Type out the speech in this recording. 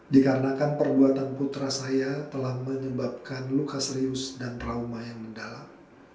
dikarenakan perbuatan putra saya telah menyebabkan luka serius dan trauma yang mendalam